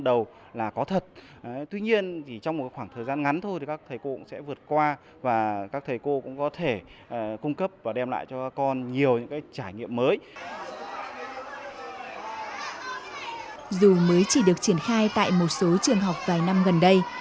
dù mới chỉ được triển khai tại một số trường học vài năm gần đây